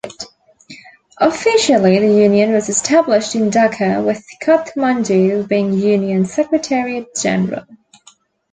Officially, the union was established in Dhaka with Kathmandu being union's secretariat-general.